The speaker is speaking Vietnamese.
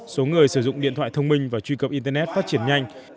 số người sử dụng điện thoại thông minh và truy cập internet phát triển nhanh